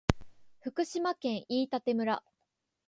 福島県飯舘村